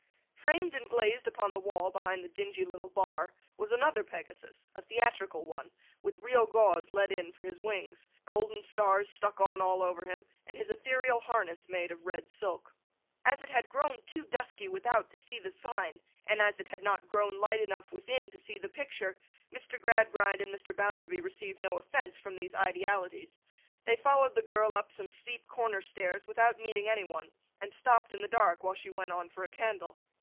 Framed and glazed upon the wall behind the dingy little bar, was another Pegasus—a theatrical one—with real gauze let in for his wings, golden stars stuck on all over him, and his ethereal harness made of red silk. As it had grown too dusky without, to see the sign, and as it had not grown light enough within to see the picture, Mr. Gradgrind and Mr. Bounderby received no offence from these idealities. They followed the girl up some steep corner stairs without meeting any one, and stopped in the dark while she went on for a candle.